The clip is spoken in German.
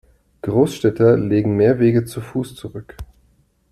Großstädter legen mehr Wege zu Fuß zurück.